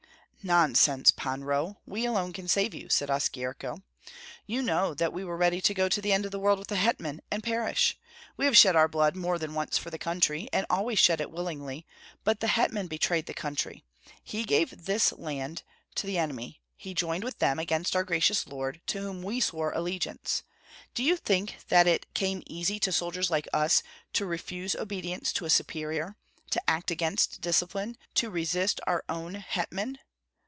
"Nonsense, Pan Roh! We alone can save you," said Oskyerko. "You know that we were ready to go to the end of the world with the hetman, and perish. We have shed our blood more than once for the country, and always shed it willingly; but the hetman betrayed the country, he gave this land to the enemy; he joined with them against our gracious lord, to whom we swore allegiance. Do you think that it came easy to soldiers like us to refuse obedience to a superior, to act against discipline, to resist our own hetman?